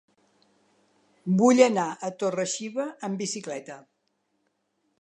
Vull anar a Torre-xiva amb bicicleta.